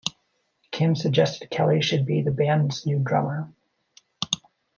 Kim suggested Kelley should be the band's new drummer.